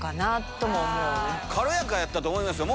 軽やかやったと思いますよ。